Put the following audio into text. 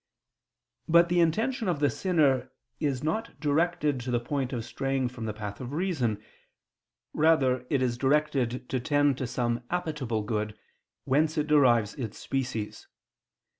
But the intention of the sinner is not directed to the point of straying from the path of reason; rather is it directed to tend to some appetible good whence it derives its species.